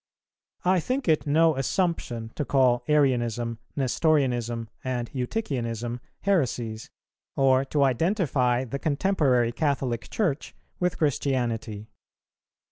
I think it no assumption to call Arianism, Nestorianism, and Eutychianism heresies, or to identify the contemporary Catholic Church with Christianity.